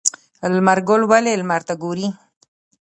لمر ګل ولې لمر ته ګوري؟